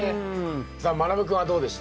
さあまなぶ君はどうでした？